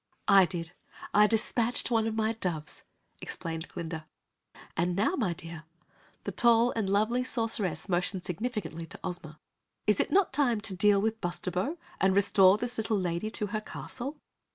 "I did I dispatched one of my doves," explained Glinda. "And now, my dear," the tall and lovely Sorceress motioned significantly to Ozma, "is it not time to deal with Bustabo, and restore this Little Lady to her Castle?"